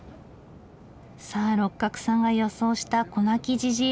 さあ六角さんが予想したこなきじじい